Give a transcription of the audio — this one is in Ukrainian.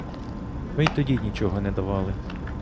Ви й тоді нічого не давали.